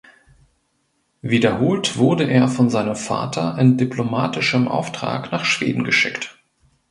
Wiederholt wurde er von seinem Vater in diplomatischem Auftrag nach Schweden geschickt.